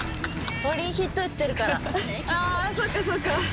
あそっかそっか。